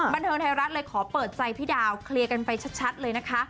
บันเทิงไทยรัฐเลยขอเปิดใจพี่ดาวเคลียร์กันไปชัดเลยนะคะ